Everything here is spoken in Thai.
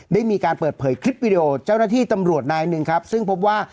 ได้มีการเปิดเผยคลิปวิดีโอเจ้าหน้าที่ตำรวจนายหนึ่งครับซึ่งพบว่า